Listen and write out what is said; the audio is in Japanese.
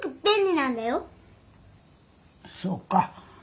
そうか。